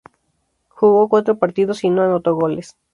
Jugó cuatro partidos y no anotó goles.